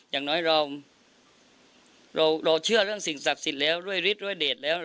อย่างน้อยเราเชื่อเรื่องสิ่งศักดิ์สิทธิ์แล้วด้วยฤทธิด้วยเดทแล้ว